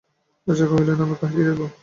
আশা কহিল, না, আমি কাশী যাইব।